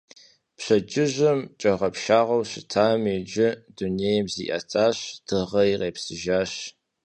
Пщэдджыжьым кӀагъэпшагъэу щытами, иджы дунейм зиӀэтащ, дыгъэри къепсыжащ.